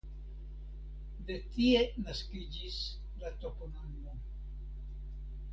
De tie naskiĝis la toponimo.